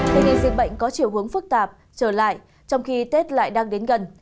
thế nhưng dịch bệnh có chiều hướng phức tạp trở lại trong khi tết lại đang đến gần